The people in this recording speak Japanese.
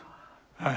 はい。